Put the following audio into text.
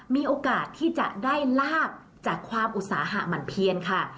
มีโอกาสที่จะได้ลาบจากความอุตสาหะหมั่นเพียนค่ะ